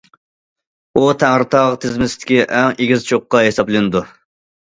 ئۇ تەڭرىتاغ تىزمىسىدىكى ئەڭ ئېگىز چوققا ھېسابلىنىدۇ.